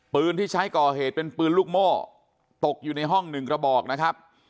ปืนที่ใช้ก่อเหตุเป็นปืนลูกโม่ตกอยู่ในห้องหนึ่งกระบอกนะครับ